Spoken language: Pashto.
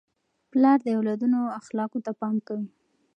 پلار د اولادونو اخلاقو ته پام کوي.